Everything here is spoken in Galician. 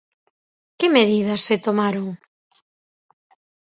Que medidas se tomaron?